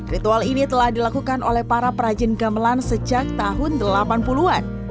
ritual ini telah dilakukan oleh para perajin gamelan sejak tahun delapan puluh an